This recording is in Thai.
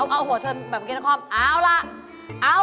เข้าไปชิงเจ้าข้างในเลย